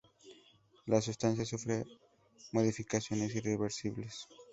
La sustancia sufre modificaciones irreversibles.